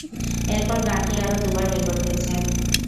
এরপর গানটি আরও দুবার রেকর্ড হয়েছে।